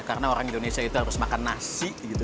karena orang indonesia itu harus makan nasi gitu